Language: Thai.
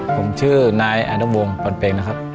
ผมชื่อนายอาจารย์วงปอนเตงนะครับ